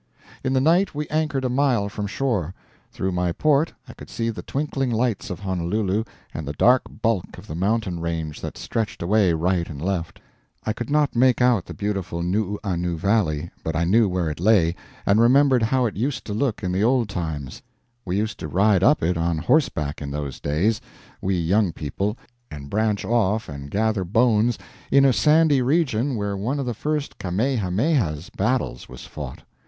In the night we anchored a mile from shore. Through my port I could see the twinkling lights of Honolulu and the dark bulk of the mountain range that stretched away right and left. I could not make out the beautiful Nuuana valley, but I knew where it lay, and remembered how it used to look in the old times. We used to ride up it on horseback in those days we young people and branch off and gather bones in a sandy region where one of the first Kamehameha's battles was fought.